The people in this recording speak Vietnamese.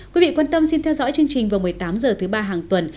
quý vị quan tâm xin theo dõi chương trình vào một mươi tám h thứ ba hàng tuần